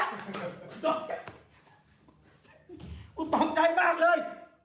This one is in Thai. กูตกใจมากเลย